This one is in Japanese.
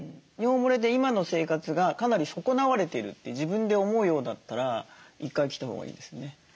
尿もれで今の生活がかなり損なわれてるって自分で思うようだったら１回来たほうがいいですね。